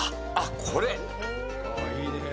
いいねぇ！